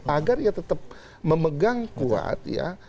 agar ya tetap memegang kuat ya